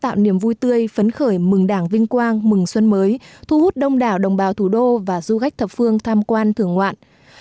niềm vui tươi phấn khởi mừng đảng vinh quang mừng xuân mới thu hút đông đảo đồng bào thủ đô và du khách thập phương tham quan thưởng ngoạn